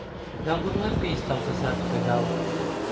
Hi ha algun lampista al passatge de Grau?